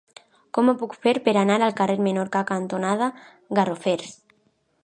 Com ho puc fer per anar al carrer Menorca cantonada Garrofers?